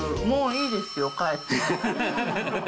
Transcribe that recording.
もういいですよ、帰って。